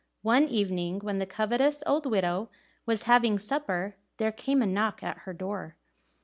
One evening, when the covetous old widow was having supper, there came a knock at her door.